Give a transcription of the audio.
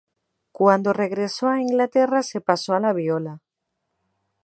Cuando regresó a Inglaterra se pasó a la viola.